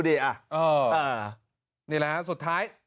นี่แหละฮะสุดท้าย